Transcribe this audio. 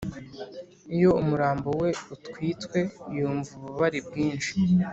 iyo umurambo we utwitswe yumva ububabare bwinshi